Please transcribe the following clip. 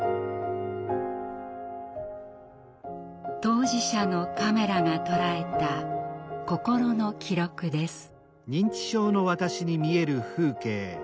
当事者のカメラが捉えた心の記録です。